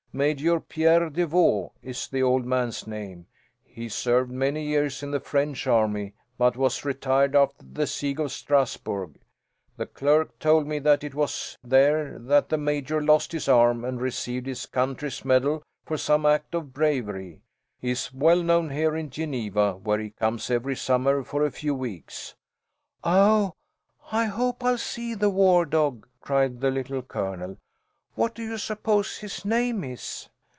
Major Pierre de Vaux is the old man's name. He served many years in the French army, but was retired after the siege of Strasburg. The clerk told me that it was there that the Major lost his arm, and received his country's medal for some act of bravery. He is well known here in Geneva, where he comes every summer for a few weeks." "Oh, I hope I'll see the war dog!" cried the Little Colonel. "What do you suppose his name is?"